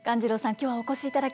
今日はお越しいただき